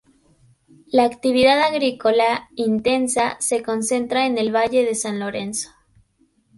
La actividad agrícola, intensa, se concentra en el Valle de San Lorenzo.